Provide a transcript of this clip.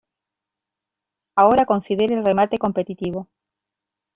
Ahora considere el remate competitivo.